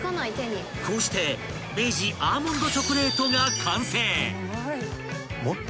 ［こうして明治アーモンドチョコレートが］